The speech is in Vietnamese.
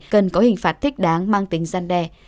cần có hình phạt thích đáng mang tính gian đe